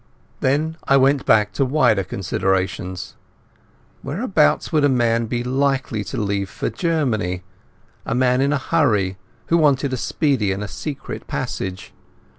Then I went back to wider considerations. Whereabouts would a man be likely to leave for Germany, a man in a hurry, who wanted a speedy and a secret passage?